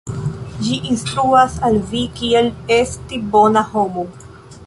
Ĝi instruas al vi kiel esti bona homo.